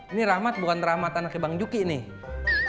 ini rahmat bukan rahmat anaknya bang juki nih